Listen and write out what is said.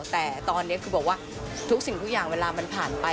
แต่ตอนนี้คือบอกว่าทุกสิ่งทุกอย่างเวลามันผ่านไป